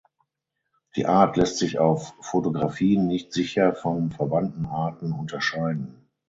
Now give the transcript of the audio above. Die Art lässt sich auf Fotografien nicht sicher von verwandten Arten unterscheiden.